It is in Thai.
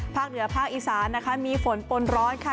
เหนือภาคอีสานนะคะมีฝนปนร้อนค่ะ